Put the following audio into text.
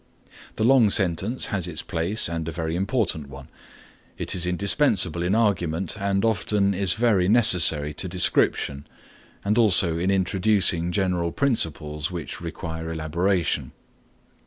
The long sentence has its place and a very important one. It is indispensable in argument and often is very necessary to description and also in introducing general principles which require elaboration.